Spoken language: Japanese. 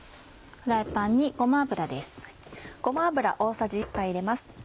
フライパンにごま油です。